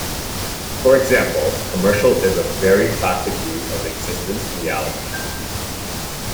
For example, a commercial is a very plastic view of existence and reality.